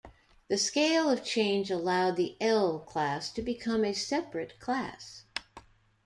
The scale of change allowed the L class to become a separate class.